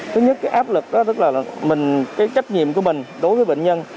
thứ nhất áp lực đó tức là trách nhiệm của mình đối với bệnh nhân